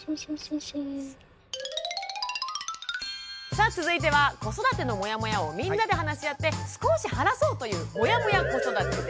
さあ続いては子育てのモヤモヤをみんなで話し合って少し晴らそうという「モヤモヤ子育て」です。